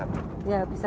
ya bisa di mana saja